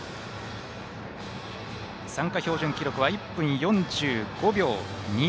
参加標準記録は１分４５秒２０。